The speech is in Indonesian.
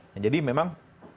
nah jadi memang